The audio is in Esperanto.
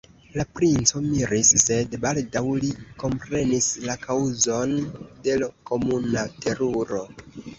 La princo miris, sed baldaŭ li komprenis la kaŭzon de l' komuna teruro.